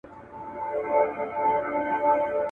هر یو هډ یې له دردونو په ضرور سو ..